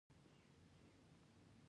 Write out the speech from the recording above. د شرابو دوکان کې یې حلوا پلورله.